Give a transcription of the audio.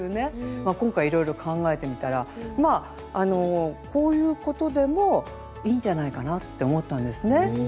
今回いろいろ考えてみたらまあこういうことでもいいんじゃないかなって思ったんですね。